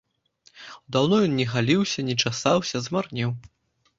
Даўно ён не галіўся, не часаўся, змарнеў.